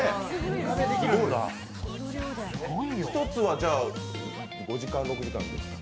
１つは、５時間、６時間ですか？